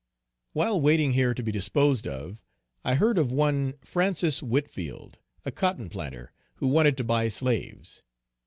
While waiting here to be disposed of, I heard of one Francis Whitfield, a cotton planter, who wanted to buy slaves.